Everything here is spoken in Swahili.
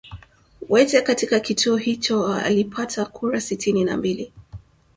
wete katika kituo hicho alipata kura sitini na mbili